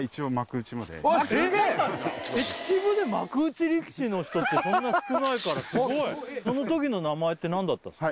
秩父で幕内力士の人ってそんな少ないからすごいその時の名前って何だったんすか？